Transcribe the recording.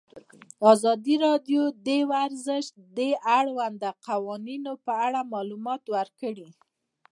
ازادي راډیو د ورزش د اړونده قوانینو په اړه معلومات ورکړي.